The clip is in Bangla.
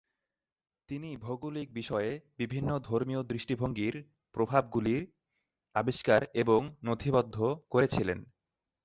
তিনি ভৌগোলিক বিষয়ে বিভিন্ন ধর্মীয় দৃষ্টিভঙ্গির প্রভাবগুলি আবিষ্কার এবং নথিবদ্ধ করেছিলেন।